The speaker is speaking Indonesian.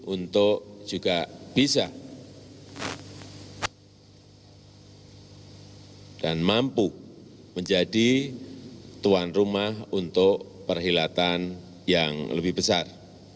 untuk juga bisa dan mampu menjadi tuan rumah untuk perhilatan yang lebih besar